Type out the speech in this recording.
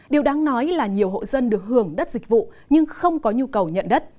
điều đáng nói là nhiều hộ dân được hưởng đất dịch vụ nhưng không có nhu cầu nhận đất